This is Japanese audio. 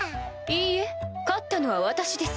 いいえ勝ったのは私です。